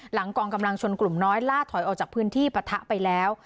กองกำลังชนกลุ่มน้อยล่าถอยออกจากพื้นที่ปะทะไปแล้ว